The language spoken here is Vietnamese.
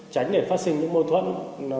tránh để phát sinh những mâu thuẫn